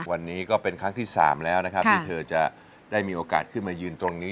วันนี้ก็เป็นครั้งที่๓แล้วนะครับที่เธอจะได้มีโอกาสขึ้นมายืนตรงนี้